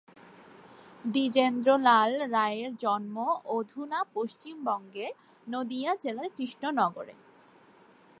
দ্বিজেন্দ্রলাল রায়ের জন্ম অধুনা পশ্চিমবঙ্গের নদিয়া জেলার কৃষ্ণনগরে।